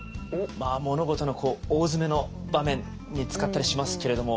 物事の大詰めの場面に使ったりしますけれども。